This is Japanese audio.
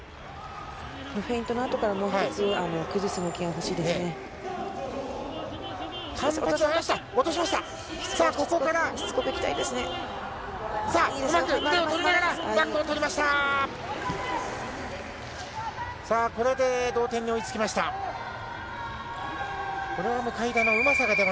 フェイントのあとから崩す動きがほしいですね。